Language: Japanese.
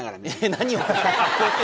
何を？